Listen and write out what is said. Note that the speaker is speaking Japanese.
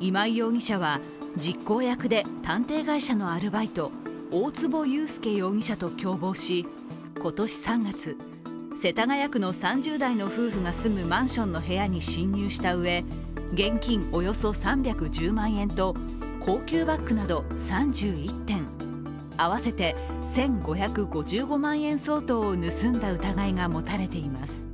今井容疑者は、実行役で探偵会社のアルバイト、大坪裕介容疑者と共謀し今年３月、世田谷区の３０代の夫婦が住むマンションの部屋に侵入したうえ、現金およそ３１０万円と高級バッグなど３１点合わせて１５５５万円相当を盗んだ疑いが持たれています。